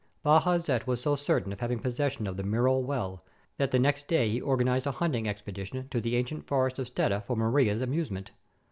Bajazet was so certain of having possession of the Miral well, that the next day he organized a hunting expedition to the ancient forest of Stetta for Maria's amusement.